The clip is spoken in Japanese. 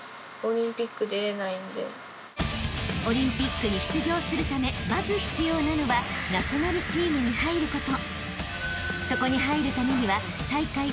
［オリンピックに出場するためまず必要なのはナショナルチームに入ること］